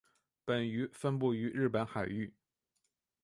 本鱼分布于日本海域。